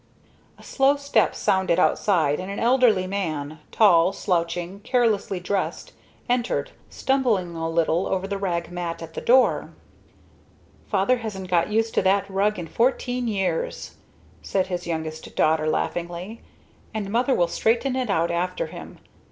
A slow step sounded outside, and an elderly man, tall, slouching, carelessly dressed, entered, stumbling a little over the rag mat at the door. "Father hasn't got used to that rug in fourteen years!" said his youngest daughter laughingly. "And Mother will straighten it out after him!